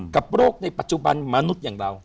กับโรคในปัจจุบันมนุษย์อย่างเรา